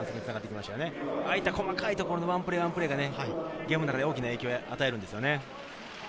細かいところのワンプレーがゲームの中で大きな影響を与えるんですよね。